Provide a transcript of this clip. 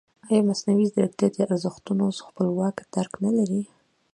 ایا مصنوعي ځیرکتیا د ارزښتونو خپلواک درک نه لري؟